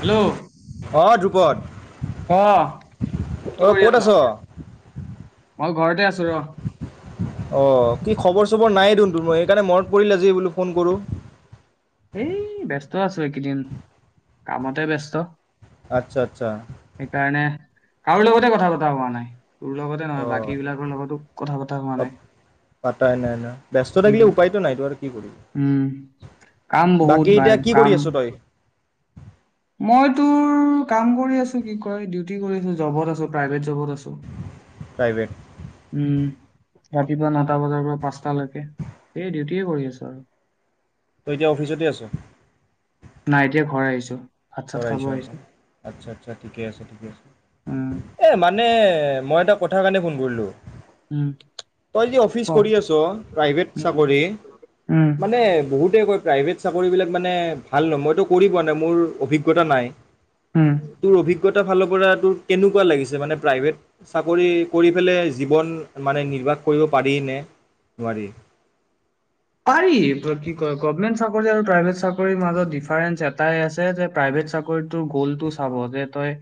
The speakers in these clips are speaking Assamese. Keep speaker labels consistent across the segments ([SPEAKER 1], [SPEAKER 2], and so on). [SPEAKER 1] হেল্ল'
[SPEAKER 2] অঁ ধ্ৰুপদ
[SPEAKER 1] অ কি
[SPEAKER 2] অঁ
[SPEAKER 1] কৰি
[SPEAKER 2] ক'ত আছ
[SPEAKER 1] আছো মই ঘৰতে আছো ৰ
[SPEAKER 2] অ কি খবৰ চবৰ নাইদেখোন ধুনু সেইকাৰণে মনত পৰিলে আজি বোলো ফোন কৰোঁ
[SPEAKER 1] এই ব্যস্ত আছো এইকেইদিন কামতে ব্যস্ত
[SPEAKER 2] আচ্ছা আচ্ছা
[SPEAKER 1] সেইকাৰণে কাৰো লগতে কথা পতা হোৱা নাই তোৰ লগতে নহয়
[SPEAKER 2] অঁ
[SPEAKER 1] বাকী বিলাকৰ লগতো কথা পতা হোৱা নাই
[SPEAKER 2] পা- পাতাই নাই ন ব্যস্ত
[SPEAKER 1] উম
[SPEAKER 2] থাকিলে উপায়তো নাইতো আৰু কি কৰিবি
[SPEAKER 1] উম! কাম বহুত
[SPEAKER 2] বাকী
[SPEAKER 1] বাই
[SPEAKER 2] এতিয়া কি
[SPEAKER 1] কাম
[SPEAKER 2] কৰি আছো তই
[SPEAKER 1] মই তোৰ কাম কৰি আছো কি কয় ডিউটি কৰি আছো জবত আছো প্ৰাইভেট জবত আছো
[SPEAKER 2] প্ৰাইভেট
[SPEAKER 1] উম ৰাতিপুৱা নটা বজাৰ পৰা পাঁচটালৈকে এই ডিউটিয়ে কৰি আছো আৰু
[SPEAKER 2] তই এতিয়া অফিচতে আছো
[SPEAKER 1] ছো
[SPEAKER 2] চৰাই আচছা আচছা ঠিকে আছে ঠিকে আছে
[SPEAKER 1] উম
[SPEAKER 2] এ মানে মই এটা কথা কাৰণে ফোন কৰিলোঁ
[SPEAKER 1] উম
[SPEAKER 2] তই যে অফিচ
[SPEAKER 1] ক
[SPEAKER 2] কৰি আছ প্ৰাইভেট
[SPEAKER 1] উম
[SPEAKER 2] চাকৰি
[SPEAKER 1] উম
[SPEAKER 2] মানে বহুতে কয় প্ৰাইভেট চাকৰিবিলাক মানে ভাল নহ মইতো কৰিব নাই মোৰ অভিজ্ঞ অভিজ্ঞতা নাই
[SPEAKER 1] উম
[SPEAKER 2] তোৰ অভিজ্ঞ অভিজঞতাৰ ফালৰ পৰাতো কেনেকুৱা লাগিছে মানে প্ৰাইভেট চাকৰি কৰি পেলাই জীৱন মানে নিৰ্বাহ কৰিব পাৰি নে নোৱাৰি।
[SPEAKER 1] পাৰি কি কয় গভমেন্ট চাকৰি আৰু প্ৰাইভেট চাকৰিৰ মাজত ডিফাৰেন্ঞ্চ এটাই আছে যে প্ৰাইভেট চাকৰিটোৰ গ'লটো চাব যে তই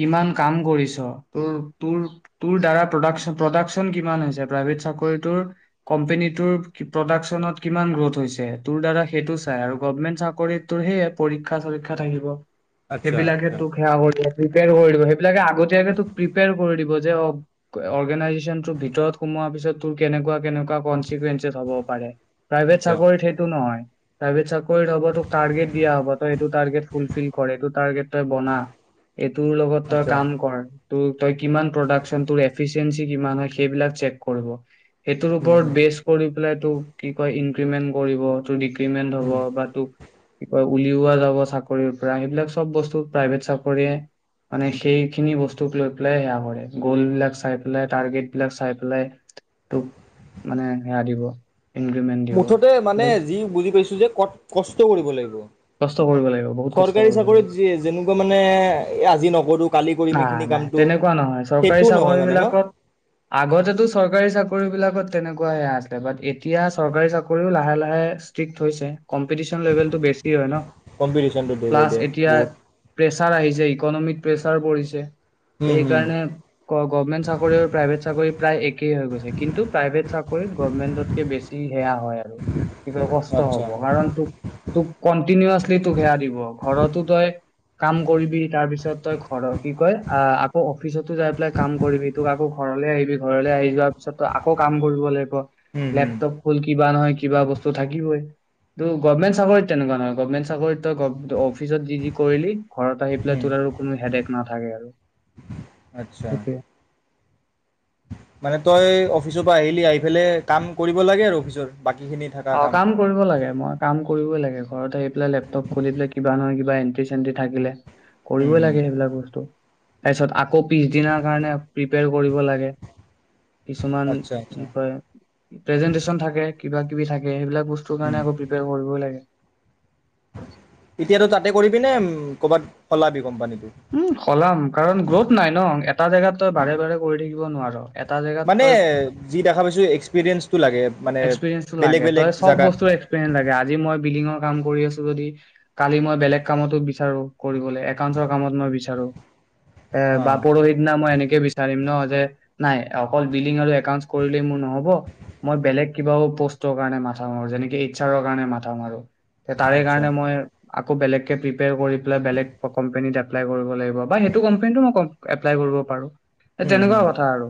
[SPEAKER 1] কিমান কাম কৰিছ ত তোৰ তোৰ দ্বাৰা প্ৰাক প্ৰডাকচন কিমান হৈছে প্ৰাইভেট চাকৰিটোৰ কম্পনীটোৰ প্ৰডাক তোৰ কিমান গ্ৰোথ হৈছে তোৰ দ্বাৰা সেটো চাই আৰু গভৰ্ণমেণ্ট চাকৰিত তোৰ সৈয়ে পৰীক্ষা চৰীক্ষা থাকিব।
[SPEAKER 2] আচ্ছা
[SPEAKER 1] সেইবিলাকে
[SPEAKER 2] আচ্ছা
[SPEAKER 1] তোক সেয়া হৈ দিব সেইবিলাকে আগতীয়াকে তোক প্ৰিপেয়াৰ কৰি দিব যে অৰ্গেনাইজেচন ভিতৰত সোমোৱাৰ পিছত তোৰ কেনেকুৱা কেনেকুৱা কনচিকুৱেঞ্চেছ হ'ব পাৰে। প্ৰাইভেট
[SPEAKER 2] আচ্ছা
[SPEAKER 1] চাকৰিত সেইটো নহয় প্ৰাইভেট চাকৰিত হ'ব তোক টাৰগেট দিয়া হব এইটো টাৰ্গেট ফুলফিল কৰে এইটো টাৰ্গেত তই বনা এইটোৰ লগত তই
[SPEAKER 2] আচ্ছা
[SPEAKER 1] কাম কৰ। তই কিমান প্ৰডাকচন তোৰ এফেচিৱেনচি কিমান সেইবিলাক চেক কৰিব। সেইটোৰ
[SPEAKER 2] হুম
[SPEAKER 1] ওপৰত
[SPEAKER 2] হুম
[SPEAKER 1] বেচ কৰি প্লেটো কি কয় ইনক্ৰিমেন্ট কৰিব তোৰ পেমেন্ট
[SPEAKER 2] হুম
[SPEAKER 1] হ'ব বা তোক [unintelligible] উলিওৱা যাব চাকৰিৰ পৰা সেইবিলাক চব বস্তু প্ৰাইভেট চাকৰিয়ে মানে সেইখিনি বস্তুক লৈ পেলাই সেয়া কৰে গল বিলাক চাই পেলাই, টাৰ্গেট বিলাক চাই পেলাই তোক মানে সেয়া দিব। ইনক্ৰিমেন্ট দিব
[SPEAKER 2] মুঠতে মানে
[SPEAKER 1] কিন্তু
[SPEAKER 2] যি বুজি পাইছ- তু যে কত কষ্ট কৰিব লাগিব
[SPEAKER 1] কষ্ট কৰিব লাগিব বহুত কষ্ট
[SPEAKER 2] চৰকাৰী
[SPEAKER 1] কৰিব লাগিব
[SPEAKER 2] চাকৰিত যেনেকুৱা মানে আজি নকৰো কালি কৰিম
[SPEAKER 1] নাই
[SPEAKER 2] এইখিনি
[SPEAKER 1] নাই
[SPEAKER 2] কামটো
[SPEAKER 1] তেনেকুৱা নহয় চৰকাৰী
[SPEAKER 2] সেইটোও নহয়
[SPEAKER 1] চাকৰি
[SPEAKER 2] মানে ন।
[SPEAKER 1] বিলাকত তেনেকুৱাই আছিল বাত এতিয়া চৰকাৰী চাকৰিও লাহে লাহে ইচট্ৰিক‌ হৈছে কমপে
[SPEAKER 2] কম্পিটিশনটো ডে বাই ডে বহুত
[SPEAKER 1] [unintelligible] প্ৰেছাৰ পৰিছে।
[SPEAKER 2] হুম
[SPEAKER 1] সেইক
[SPEAKER 2] হুম আচ্ছা
[SPEAKER 1] তোক কন্টিনাচলি কাম কৰিবি তাৰ পিছত তই ঘৰৰ কি কয় আ অ অফিচতো যাই পেলাই কাম কৰিবি তোক আকৌ ঘৰলৈ আহিবি ঘৰলৈ আহি যোৱাৰ পিছত তই আকৌ কাম কৰিব লাগিব।
[SPEAKER 2] হুম হুম
[SPEAKER 1] লেপটপ খল কি বা নহয় কিবা বস্তু থাকিবই ত গভমেণ্ চাকৰিত তেনেকুৱা নয় গভমেণ্ চাকৰিত ত অফিচত যি-যিকৰি ঘৰত আহি পেলাই
[SPEAKER 2] হুম
[SPEAKER 1] তোৰাৰ আৰু কোনো হেডে ন [unintelligible] আৰু
[SPEAKER 2] আচ্ছা
[SPEAKER 1] সেইটোৱে
[SPEAKER 2] মানে তই অফিচৰ পৰা আহিলি, আহি পেলাই কাম কৰিব লাগে আৰু অফিচৰ বাকীখিনি থকা
[SPEAKER 1] অ, কাম কৰিব লাগে মই, কাম কৰিবই লাগে,
[SPEAKER 2] উম
[SPEAKER 1] ঘৰত আহি পেলাই লেপটপ খুলি পেলাই কিবা নহয় কিব বা এণ্টি- চেণ্টি থাকিলে কৰিবই
[SPEAKER 2] উম
[SPEAKER 1] লাগে সেইবিলাক বস্তু তাৰছত আকৌ পিছ দিনাৰ কাৰণে প্ৰিপিয়েৰ কৰিব লাগে। কিছুমান
[SPEAKER 2] আচ্ছা
[SPEAKER 1] কি
[SPEAKER 2] আচ্ছা
[SPEAKER 1] কয় প্ৰেজেনটেচন থাকে। কিবা কিবি থাকে সেইবিলাক বস্তুৰ কাৰণে আকৌ প্ৰিপেয়াৰ কৰিবই লাগে।
[SPEAKER 2] এতিয়া তই তাতে কৰিবিনে, কৰ'বাত সলাবি কোম্পানী?
[SPEAKER 1] উম সলাম। কাৰণ গ্ৰোথ নাই ন টা জেগাত তই বাৰে বাৰে কৰি থাকিব নোৱাৰ এটা জেগাত
[SPEAKER 2] মানে, যি দেখা পাইছোঁ, এক্সপেৰিয়েঞ্চ
[SPEAKER 1] এক্সপেৰিয়েন্সটো লাগে তই চব
[SPEAKER 2] জাগাত
[SPEAKER 1] বস্তুৰ এক্সপেৰিয়েন্স লাগে, আজি মই বিল্ডিঙৰ কাম কৰি আছো যদি কালি মই বেলেগ কামতো বিচাৰো কৰিবলৈ একাওন্স কামত মই বিচাৰো। এ
[SPEAKER 2] অ
[SPEAKER 1] বা পৰোহিত না মই এনেকে বেলেগ কে বিচাৰিম ন' যে নাই অকল বিলংৰ একাওস্ন্স মোৰ নহ'ব মই বেলেগ কিবাও প'ষ্টৰ কাৰণে মাথা মাৰোযেনেকে এইচ্ছাৰৰ কাৰণে মাথা মাৰো। তাৰে
[SPEAKER 2] আচ্ছা
[SPEAKER 1] কাৰণে মই আকৌ বেলেগ কে পিপ্ৰেয়া কৰি পেলাই বেলেগ কোম্পানীৰ এপ্লাই কৰিব লাগিব বা সেইটো কোম্পানীতো এপ্লাই কৰিব পাৰো।
[SPEAKER 2] উম
[SPEAKER 1] তেনেকুৱা
[SPEAKER 2] উম
[SPEAKER 1] কথা আৰু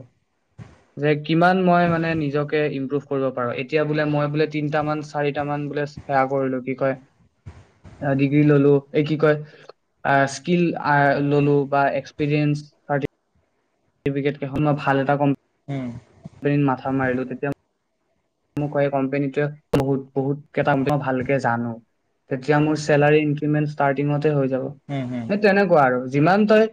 [SPEAKER 1] যে কিমান মই মানে নিজকে ইম্প্ৰুভ পাৰো এতিয়া বোলে মই বোলে তিনটা মান চাৰিটা মান বোলে সেৱা কৰিলো কি কয় ডিগ্ৰী ল'লো এই কি কয় স্কিল ল'লো বা এক্সপিৰিয়েঞ্চ চাৰ্ত পিকেত কিখন মই ভাল এটা
[SPEAKER 2] উম
[SPEAKER 1] কোম্পানী ত' মাথা মাৰিলো তেতিয়া মোক কোম্পনীটোৱে বহুত বহুত কই ভালকে জানো তেতিয়া মোৰ চেলাৰী ইনক্ৰিমেন্ট ষ্টাৰ্টিঙত হৈ যাব,
[SPEAKER 2] উম উম
[SPEAKER 1] সেই তেনেকুৱা আৰু যিমান তই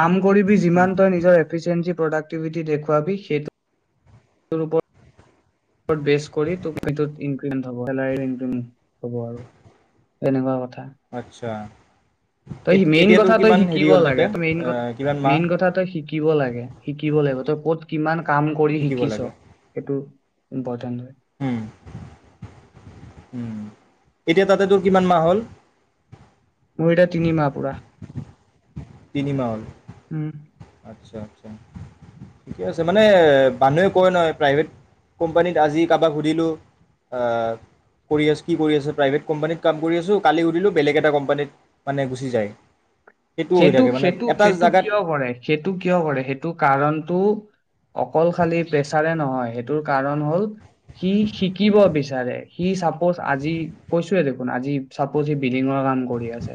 [SPEAKER 1] কাম কৰিবি
[SPEAKER 2] উম
[SPEAKER 1] যিমান তই নিজৰ এফিচিয়েঞ্চি প্ৰডাক্টিভিটি দেখুৱাবি সেইটো তোৰ ওপৰত বেছ কৰি তোক এইটোত ইনক্ৰিমেন্ট হ'ব আৰু তেনেকুৱা কথা।
[SPEAKER 2] আচ্ছা।
[SPEAKER 1] তই
[SPEAKER 2] এত-
[SPEAKER 1] মেইন
[SPEAKER 2] এতিয়া তোৰ
[SPEAKER 1] কথা তই
[SPEAKER 2] কিমান হেৰি
[SPEAKER 1] শিকিব
[SPEAKER 2] হ'ল
[SPEAKER 1] লাগে,
[SPEAKER 2] তাতে
[SPEAKER 1] তই মেইন
[SPEAKER 2] আহ, কিমান মাহ
[SPEAKER 1] মেইন কথা তই শিকিব লাগে, শিকিব লাগিব। ক'ত কিমান কাম কৰি
[SPEAKER 2] শিকিব
[SPEAKER 1] শিকিছ
[SPEAKER 2] লাগে
[SPEAKER 1] সেইটো ইম্পৰ্টেণ্ট
[SPEAKER 2] উম, এতিয়া তাতে তোৰ কিমান মাহ হ'ল?
[SPEAKER 1] মোৰ এতিয়া তিনি মাহ পুৰা।
[SPEAKER 2] তিনিমাহ হ'ল
[SPEAKER 1] উম
[SPEAKER 2] আচ্ছা, আচ্ছা। ঠিকে আছে মানে মানুহে কয় নহয় প্ৰাইভেট কোম্পানীত আজি কাৰোবাক সুধিলোঁ কৰি আছো কি কৰি আছে প্ৰাইভেট কোম্পানীত কাম কৰি আছোঁ কালি সুধিলোঁ বেলেগ এটা কোম্পানীত মানে গুচি যায়। সেইটোও হৈ
[SPEAKER 1] সেইটো,
[SPEAKER 2] থাকে মানে
[SPEAKER 1] সেইটো,
[SPEAKER 2] এটা
[SPEAKER 1] সেইটো
[SPEAKER 2] জেগাত
[SPEAKER 1] কিয় কৰে, সেইটো কিয় কৰে, সেইটো কাৰণ টো অকল খালি প্ৰেছাৰে নহয় সেইটোৰ কাৰণ হ'ল সি শিকিব বিচাৰে। সি চাপ'জ আজি কৈছোে দেখোন আজি চাপ'জ সি বিল্ডিঙৰ কাম কৰি আছে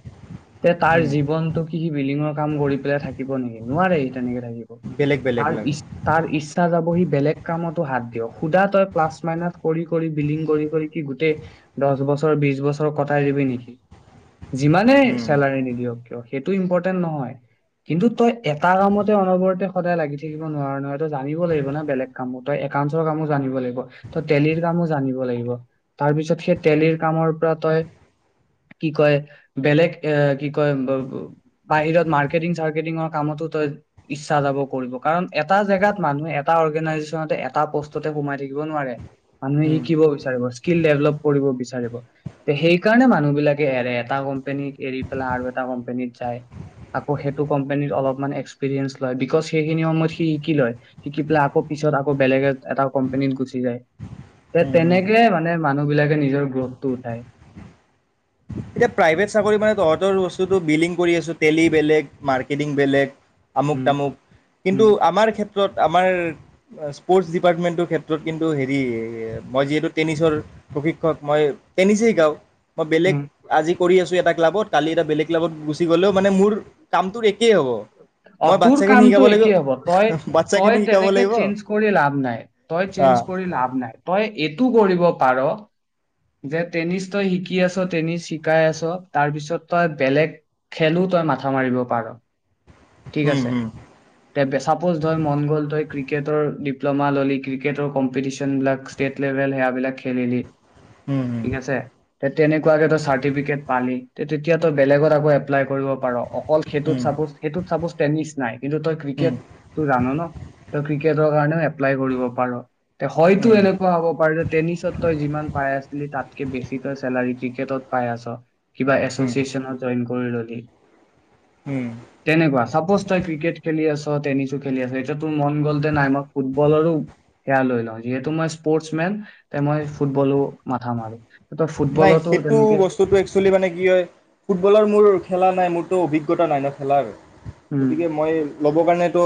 [SPEAKER 1] তে তাৰ
[SPEAKER 2] উম,
[SPEAKER 1] জীৱনটো লিঙ কাম কৰি পেলাই থাকিব নেকি, নোৱাৰে তেনেকে থাকিব।
[SPEAKER 2] বেলেগ বেলেগ
[SPEAKER 1] তাৰ,
[SPEAKER 2] লাগে
[SPEAKER 1] তাৰ ইচ্ছা যাব সি বেলেগ কামত হাত দিয় সুধা তই প্লাছ মাইনত কৰি কৰি বিলিং কৰি কৰি কি গোটেই দশ বছৰ বিশ বছৰ কটাই দিবি নেকি। যিমানেই
[SPEAKER 2] উম,
[SPEAKER 1] চেলাৰী নিদিয়ক কিয়। সেইটো ইম্পৰ্টেণ্ট নহয় কিন্তু তই এটা কামতেই অনবৰতে সদায় লাগি থাকিব নোৱাৰ নহয়, তই জানিব লাগিব ন', বেলেগ কামো। তই একাউণ্টছৰ কামো জানিব লাগিব, তই টেলিৰ কামো জানিব লাগিব তাৰ পিছত, সেই টেলিৰ কামৰ পৰা তই কি কয়, বেলেগ এ কি কয় ব ব বাহিৰত মাৰ্কেটিং চাৰকেটিঙৰ কামতো তই ইচ্ছা যাব কৰিব, কাৰণ এটা জেগাত মানুহে এটা অৰ্গেনাইজেচনতে এটা পষ্টতে সোমাই থাকিব নোৱাৰে। মানুহে
[SPEAKER 2] উম,
[SPEAKER 1] শিকিব বিচাৰিব, স্কিল ডেভলপ্ কৰিব বিচাৰে। লাগিব সেই কাৰণে মানুহবিলাকে এৰে, এটা কোম্পানী এৰি পেলাই আৰু এটা কোম্পেনীত। যায় আকৌ সেইটো কোম্পেনীত অলপমান এক্সপিৰিয়েঞ্চ লয়, বিকজ সেইখিনি সময়ত সি শিকি লয়, শিকি পেলাই আকৌ পিছত আকৌ বেলেগ এটা কোম্পেনীত গুচি যায়। এ
[SPEAKER 2] উম, উম।
[SPEAKER 1] তেনেকে মানে মানুহবিলাকে নিজৰ গ্ৰোথটো উঠায়।
[SPEAKER 2] এতিয়া প্ৰাইভেট চাকৰি মানে তহঁতৰ বস্তুটো বিলিং কৰি আছো, টেলি বেলেগ, মাৰ্কেটিং বেলেগ। আমুক
[SPEAKER 1] উম
[SPEAKER 2] তামুক কিন্তু
[SPEAKER 1] উম
[SPEAKER 2] আমাৰ ক্ষেত্ৰত আমাৰ স্পৰ্টছ ডিপাৰ্টমেণ্টটোৰ ক্ষেত্ৰত কিন্তু হেৰি, মই যিহেতু টেনিছৰ প্ৰশিক্ষক মই টেনিছেই শিকাওঁ। মই বেলেগ
[SPEAKER 1] উম
[SPEAKER 2] আজি কৰি আছো এটা ক্লাবত, কালি এটা বেলেগ ক্লাবত গুচি গ'লেও মানে মোৰ কামটোৰ একেই হ'ব
[SPEAKER 1] অ',
[SPEAKER 2] মই
[SPEAKER 1] তোৰ
[SPEAKER 2] বাচ্ছাখিনি শিকাব
[SPEAKER 1] কামটো
[SPEAKER 2] লাগিব
[SPEAKER 1] একে হ'ব তই
[SPEAKER 2] বাচ্ছাখিনি
[SPEAKER 1] তই
[SPEAKER 2] শিকাব
[SPEAKER 1] তেনেকে
[SPEAKER 2] লাগিব
[SPEAKER 1] চেঞ্জ কৰি লাভ নাই, তই
[SPEAKER 2] অ
[SPEAKER 1] চেঞ্জ কৰি লাভ নাই, তই এইটো কৰিব পাৰ যে টেনিছ তই শিকি আছ, টেনিছ শিকাই আছ, তাৰ পিছত তই বেলেগ খেলোঁ তই মাথা মাৰিব পাৰ। ঠিক
[SPEAKER 2] উম
[SPEAKER 1] আছে, তে চাপোজ ধৰ মন গ'ল তই ক্ৰিকেটৰ ডিপ্ল'মা ল'লি, ক্ৰিকেটৰ কম্পিটিশন বিলাক ষ্টেট লেভেল সেৱাবিলাক খেলিলি।
[SPEAKER 2] উম।
[SPEAKER 1] ঠিক আছে তেনেকুৱাকে তই চাৰ্টিফিকেট পালি, তেতিয়া তই বেলেগত আকৌ এপ্লাই কৰিব পাৰ অকল
[SPEAKER 2] উম উম
[SPEAKER 1] সেইটোত
[SPEAKER 2] উম
[SPEAKER 1] চাপজ সেইটোত চাপজ ট্ৰেণ্ড নিচিনাই কিন্তু তই ক্ৰিকেটটো জানো ন'? তই ক্ৰিকেটৰ কাৰণে এপ্লাই কৰিব পাৰ। তে হয়তো এনেকুৱা
[SPEAKER 2] উম
[SPEAKER 1] হ'ব পাৰে যে টেনিছত তই যিমান পাই আছ তাতকে বেছি তই চেলাৰী ক্ৰিকেটত পাই আছ। কিবা এছচিয়েচনত জইন কৰি ল'লি।
[SPEAKER 2] উম উম
[SPEAKER 1] তেনেকুৱা, চাপোজ তই ক্ৰিকেট খেলি আছ টেনিছো খেলি আছোঁ, এতিয়া তোৰ মন গ'লতে নাই মই ফুটবলৰো সেয়া লৈ লওঁ যিহেতু মই স্পৰ্টচ মেন তে মই ফুটবলো মাথা মাৰ।
[SPEAKER 2] নাই সেইটো বস্তুটো একচুৱেলি মানে কি হয়, ফুটবলৰ মোৰ খেলা নাই মোৰ তো অভিজ্ঞতা নাই ন', খেলাৰ।
[SPEAKER 1] উম
[SPEAKER 2] গতিকে মই মোৰ কাৰণেতো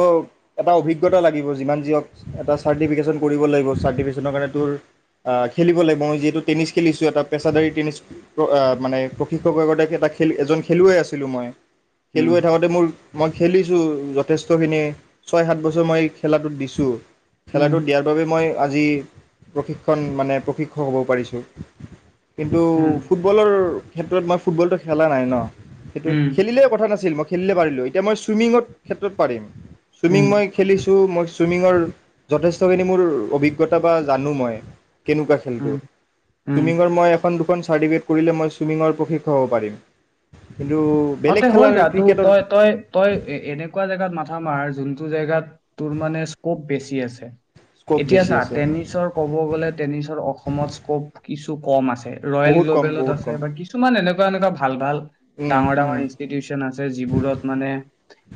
[SPEAKER 2] এটা অভিজ্ঞতা লাগিব, যিমান যিহক এটা চাৰ্টিফিকেশ্যন কৰিব লাগিব, চাৰ্টিফিকেশ্যনৰ কাৰণে তোৰ খেলিব লাগিব, মই যিহেতু টেনিছ খেলিছোঁ এটা পেছাদাৰী টেনিছ আ মানে প্ৰশিক্ষকৰ [unintelligible] এটা খেল এজন খেলুৱৈ আছিলোঁ মই
[SPEAKER 1] উম
[SPEAKER 2] খেলুৱৈ থাকোতে মোৰ মই খেলিছোঁ। যথেষ্টখিনি ছয়, সাত বছৰ মই খেলাটোত দিছোঁ।
[SPEAKER 1] উম
[SPEAKER 2] খেলাটো দিয়াৰ বাবে মই আজি প্ৰশিক্ষণ মানে প্ৰশিক্ষক হ'ব পাৰিছোঁ কিন্তু
[SPEAKER 1] উম
[SPEAKER 2] ফুটবলৰ ক্ষেত্ৰত মই ফুটবলটো খেলা নাই ন সেইটো
[SPEAKER 1] উম
[SPEAKER 2] খেলিলে কথা নাছিল মই খেলিলে পাৰিলোঁ এতিয়া মই ছুইমিঙৰ ক্ষেত্ৰত পাৰিম চুইমিং
[SPEAKER 1] উম
[SPEAKER 2] মই খেলিছো মই ছুইমিঙৰ যথেষ্টখিনি মোৰ অভিজ্ঞতা বা জানো মই কেনেকুৱা খেলটো
[SPEAKER 1] উম উম
[SPEAKER 2] চুইমিঙৰ মই দুখন চাৰ্টিফিকেট কৰিলে মই ছুইমিঙৰ প্ৰশিক্ষক হ'ব পাৰিম কিন্তু
[SPEAKER 1] অ
[SPEAKER 2] বেলেগ
[SPEAKER 1] তই হৈ
[SPEAKER 2] খেলাৰ
[SPEAKER 1] যা তো
[SPEAKER 2] ক্ৰিকেটৰ
[SPEAKER 1] তই তই তই এ এনেকুৱা জেগাত মাথা মাৰ যোনটো টো জেগাত তোৰ মানে স্কপ বেছি আছে
[SPEAKER 2] স্ক'প
[SPEAKER 1] এতিয়া
[SPEAKER 2] বেছি
[SPEAKER 1] ছা
[SPEAKER 2] আছে
[SPEAKER 1] টেনিছৰ কব গ'লে টেনিছৰ অসমত স্কপ কিছু কম আছে ৰয়েল
[SPEAKER 2] বহুত কম
[SPEAKER 1] গ্ল'বেলত
[SPEAKER 2] বহুত
[SPEAKER 1] আছে
[SPEAKER 2] কম
[SPEAKER 1] বা কিছুমান এনেকুৱা এনেকুৱা এটা ভাল ভাল
[SPEAKER 2] উম উম
[SPEAKER 1] মান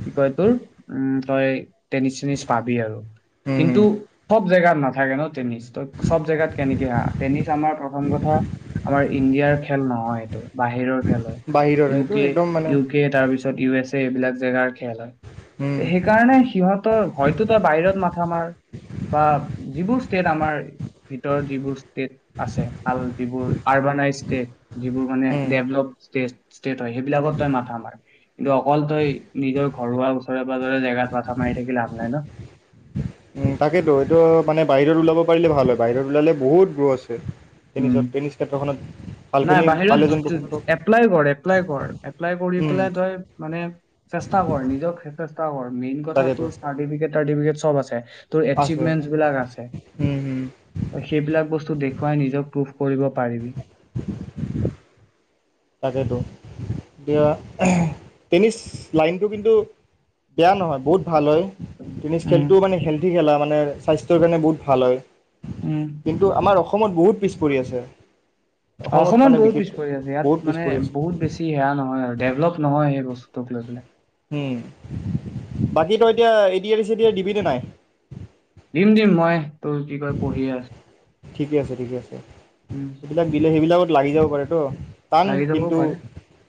[SPEAKER 1] কি উ তই টেনিছ চেনিছ পাবি আৰু
[SPEAKER 2] হম
[SPEAKER 1] কিন্তু
[SPEAKER 2] হ
[SPEAKER 1] চব জেগাত নাথাকে ন টেনিছ ত চব জেগাত কেনেকে আ টেনিছ আমাৰ প্ৰথম কথা আমাৰ ইণ্ডিয়াৰ খেল নহয় সেইটো বাহিৰৰ খেল হয়
[SPEAKER 2] বাহিৰৰ এইটো
[SPEAKER 1] ইউকে
[SPEAKER 2] একদম মানে
[SPEAKER 1] ইউকে তা পিছত ইউ এচ এঢ়এইবিলাক জেগাত
[SPEAKER 2] উম,
[SPEAKER 1] সেইকাৰণে সিহঁতৰ হয়তো তো বাহিৰত মাথা আমাৰ বা যিবোৰ ষ্টেট আমাৰ ভিতৰত যিবোৰ ষ্টেট আছে ভাল যিবোৰ আৰবানাইজ তে যিবোৰ মানে
[SPEAKER 2] উম।
[SPEAKER 1] ডেভলপ ষ্টেট [unintelligible] মাথা আমাৰ কিন্তু অকল তই নিজৰ ঘৰুৱা ওচৰে পাজৰে জেগাত মাথা মাৰি থাকিলে হয়, ন'।
[SPEAKER 2] উম তাকেতো এইটো মানে বাহিৰত ওলাব পাৰিলে ভাল হয় বাহিৰত ওলালে বহুত দূৰ আছে ৰ
[SPEAKER 1] উম,
[SPEAKER 2] টেনিছত টেনিছ ক্ষেত্ৰখনত
[SPEAKER 1] নাই
[SPEAKER 2] ভালখিনি ভাল এজন
[SPEAKER 1] বাহিৰত
[SPEAKER 2] প্ৰশিক্ষক
[SPEAKER 1] এপ্লাই কৰ, এপ্লাই কৰ, এপ্লাই কৰি
[SPEAKER 2] উম,
[SPEAKER 1] পেলাই তই মানে চেষ্টা কৰ নিজক চেষ্টা কৰ। মেইন কথা
[SPEAKER 2] তাকেতো
[SPEAKER 1] তোৰ চাৰ্টিফিকেট চাৰ্টিফিকেত চব আছে। তোৰ
[SPEAKER 2] আছে
[SPEAKER 1] এচিভমেন্ট বিলাক আছে
[SPEAKER 2] উম, হুম,
[SPEAKER 1] সেইবিলাক বস্তু দেখ তই নিজক প্ৰুভ কৰিব পাৰিবি।
[SPEAKER 2] তাকেতো এতিয়া টেনিছ লাইনটো কিন্তু বেয়া নহয় বহুত ভাল হয় টেনিছ
[SPEAKER 1] উম
[SPEAKER 2] খেলটো মানে খেল কি খেলা মানে স্বাস্থ্যৰ কাৰণে বহুত ভাল হয়।
[SPEAKER 1] উম
[SPEAKER 2] কিন্তু আমাৰ অসম অসমত বহুত পিছ পৰি আছে
[SPEAKER 1] অসমত
[SPEAKER 2] মানে
[SPEAKER 1] বহুত পিছ
[SPEAKER 2] বিশেষকৈ
[SPEAKER 1] পৰি আছে
[SPEAKER 2] বহুত
[SPEAKER 1] ইয়াত
[SPEAKER 2] পিছ
[SPEAKER 1] মানে
[SPEAKER 2] পৰি আছে
[SPEAKER 1] বহুত বেছি সেয়া নহয় আৰু ডেভলপ নহয় এই বস্তুটোক লৈ
[SPEAKER 2] উম, বাকী তই এতিয়া এটিএৰচিতি দিবিনে নাই?
[SPEAKER 1] দিম, দিম মই তোৰ কি কয় পঢ়ি আছো।
[SPEAKER 2] ঠিকে আছে ঠিকে আছে
[SPEAKER 1] উম
[SPEAKER 2] সেইবিলাক দিলে সেইবিলাকত লাগি যাব পাৰে তো টান
[SPEAKER 1] লাগি যাবও
[SPEAKER 2] কিন্তু
[SPEAKER 1] পাৰে।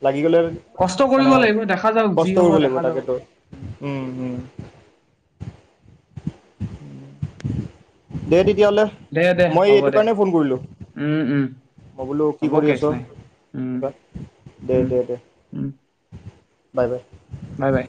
[SPEAKER 2] লাগি গ'লে
[SPEAKER 1] কষ্ট কৰিব
[SPEAKER 2] মানে
[SPEAKER 1] লাগিব দেখা যাওক যি
[SPEAKER 2] কষ্ট
[SPEAKER 1] হব
[SPEAKER 2] কৰিব লাগিব
[SPEAKER 1] দেখা যাব।
[SPEAKER 2] তাকেতো।
[SPEAKER 1] উম,
[SPEAKER 2] ও ওম দে দি তেতিয়াহ'লে
[SPEAKER 1] দে দে
[SPEAKER 2] মই
[SPEAKER 1] হ'ব
[SPEAKER 2] এইটো
[SPEAKER 1] দে
[SPEAKER 2] কাৰণেই ফোন কৰিলোঁ
[SPEAKER 1] উম উম
[SPEAKER 2] মই বোলো কি
[SPEAKER 1] হ'ব
[SPEAKER 2] কৰি
[SPEAKER 1] কেচ
[SPEAKER 2] আছ।
[SPEAKER 1] নাই। উম
[SPEAKER 2] দে
[SPEAKER 1] উম
[SPEAKER 2] দে দে
[SPEAKER 1] উম
[SPEAKER 2] বাই বাই
[SPEAKER 1] বাই বাই